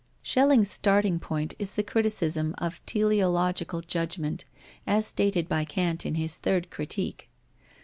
Schelling's starting point is the criticism of teleological judgment, as stated by Kant in his third Critique.